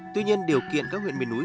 tuy nhiên điều kiện các huyện miền núi